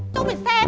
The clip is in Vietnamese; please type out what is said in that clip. cháu phải xem